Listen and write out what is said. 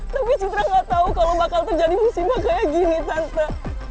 tapi cintra gak tahu kalau bakal terjadi musimah kayak gini tante